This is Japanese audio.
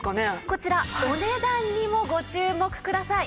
こちらお値段にもご注目ください。